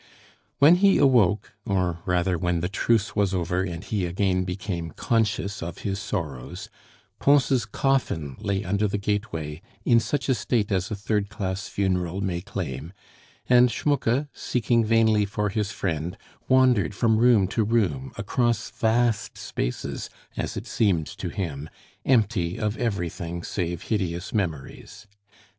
When he awoke, or rather when the truce was over and he again became conscious of his sorrows, Pons' coffin lay under the gateway in such a state as a third class funeral may claim, and Schmucke, seeking vainly for his friend, wandered from room to room, across vast spaces, as it seemed to him, empty of everything save hideous memories.